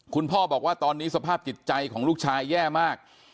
คุณพ่อบอกว่าตอนนี้สภาพจิตใจของลูกชายแย่มาก